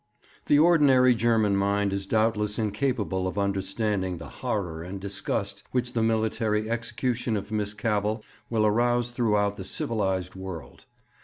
_ 'The ordinary German mind is doubtless incapable of understanding the "horror and disgust" which the military execution of Miss Cavell will arouse throughout the civilized world.